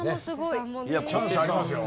チャンスありますよ。